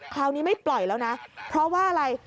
คราวนี้ไม่ปล่อยแล้วนะเพราะว่าอะไร